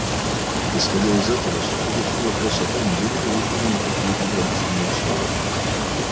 Исходя из этого, Суд изучил вопрос о том, были ли выполнены такие предварительные условия.